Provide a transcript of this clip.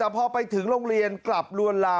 เมื่อกี้มันร้องพักเดียวเลย